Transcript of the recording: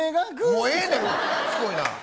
もうええねん、しつこいな。